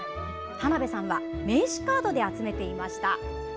田辺さんは名刺カードで集めていました。